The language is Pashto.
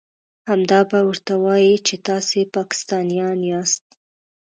همدا به ورته وايئ چې تاسې پاکستانيان ياست.